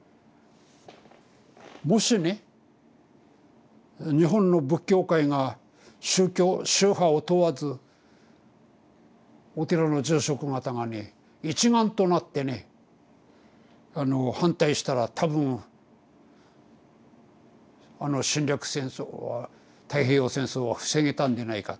もしね日本の仏教界が宗派を問わずお寺の住職方がね一丸となってね反対したら多分あの侵略戦争は太平洋戦争は防げたんでないかっていう。